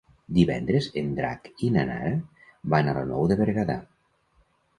Divendres en Drac i na Nara van a la Nou de Berguedà.